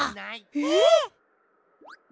えっ！